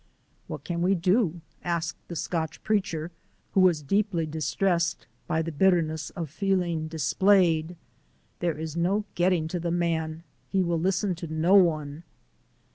"What can we do?" asked the Scotch Preacher, who was deeply distressed by the bitterness of feeling displayed. "There is no getting to the man. He will listen to no one."